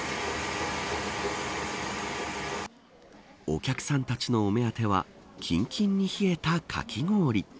お客さんたちのお目当てはきんきんに冷えたかき氷。